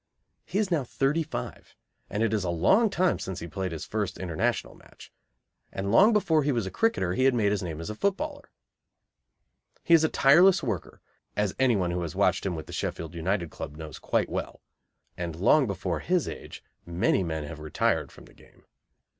He is now thirty five, and it is a long time since he played his first International match, and long before he was a cricketer he had made his name as a footballer. He is a tireless worker, as anyone who has watched him with the Sheffield United club knows quite well, and long before his age many men have retired from the game.